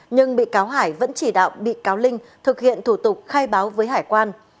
nhưng bị cáo hải vẫn chỉ đạo bị cáo linh thực hiện thủ tục khai báo với hải quan